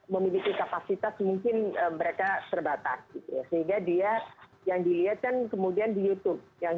memiliki kapasitas mungkin mereka terbatas sehingga dia yang dilihat kan kemudian di youtube yang